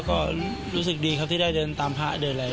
ก็รู้สึกดีครับที่ได้เดินตามพระเดินอะไร